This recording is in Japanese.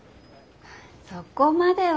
そこまでは。